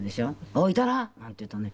「おういたな？」なんて言うとね